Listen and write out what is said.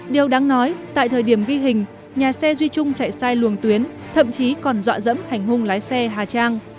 điều đáng nói tại thời điểm ghi hình nhà xe duy trung chạy sai luồng tuyến thậm chí còn dọa dẫm hành hung lái xe hà trang